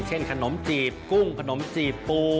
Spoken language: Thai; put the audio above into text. ขนมจีบกุ้งขนมจีบปู